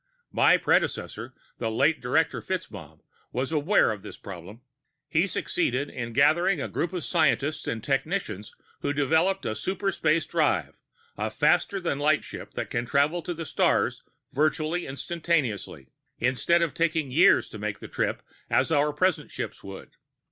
"My predecessor, the late Director FitzMaugham, was aware of this problem. He succeeded in gathering a group of scientists and technicians who developed a super space drive, a faster than light ship that can travel to the stars virtually instantaneously, instead of taking years to make the trip as our present ships would.